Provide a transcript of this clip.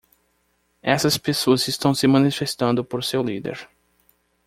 Essas pessoas estão se manifestando por seu líder.